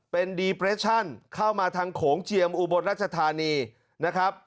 เป็นดีเปรชั่นเข้ามาทางโขงเจียมอุบลรัชธานีนะครับ